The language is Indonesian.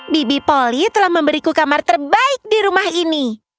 bibi poly telah memberiku kamar terbaik di rumah ini